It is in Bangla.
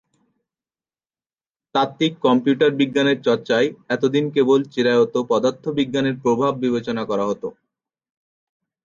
তাত্ত্বিক কম্পিউটার বিজ্ঞানের চর্চায় এতদিন কেবল চিরায়ত পদার্থবিজ্ঞানের প্রভাব বিবেচনা করা হতো।